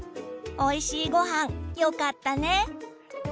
おいしいごはんよかったね！